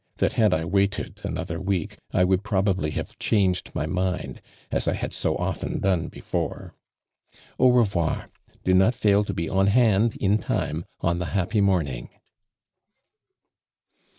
that had I waited another week, I would i)robably have changed my mind, as I liad so ofte!i done before. An revnir ! Do not fail to be on hand, in time, on the happy morning!''